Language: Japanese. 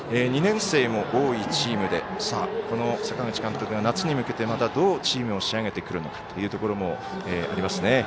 ２年生も多いチームでこの阪口監督が夏に向けてどうチームを仕上げてくるのかというところもありますね。